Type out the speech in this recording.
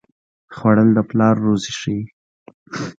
خوړل د پلار روزي ښيي